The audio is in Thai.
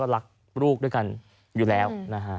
รักลูกด้วยกันอยู่แล้วนะฮะ